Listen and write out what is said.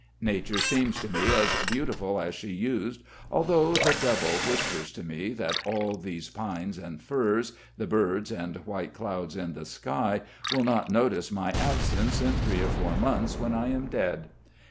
Nature seems to me as beautiful as she used, although the devil whispers to me that all these pines and firs, the birds and white clouds in the sky will not notice my absence in three or four months when I am dead.